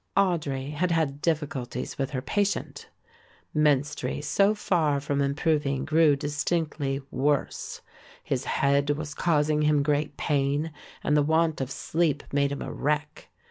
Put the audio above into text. Audry had had difficulties with her patient. Menstrie so far from improving grew distinctly worse. His head was causing him great pain and the want of sleep made him a wreck.